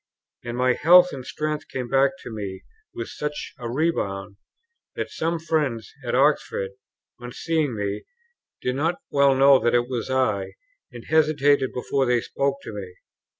And my health and strength came back to me with such a rebound, that some friends at Oxford, on seeing me, did not well know that it was I, and hesitated before they spoke to me.